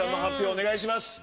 お願いします。